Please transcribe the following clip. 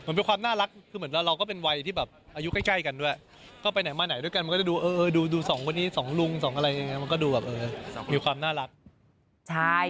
มันเป็นความน่ารักคือเหมือนมาเราก็เป็นวัยที่แบบอายุใกล้กันด้วย